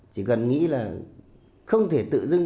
chỉ cần nghĩ là không thể tự dưng